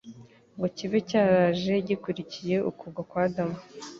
ngo kibe cyaraje gikurikiye ukugwa kwa Adamu.